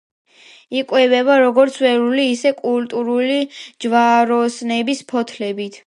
იკვებება როგორც ველური, ისე კულტურული ჯვაროსნების ფოთლებით.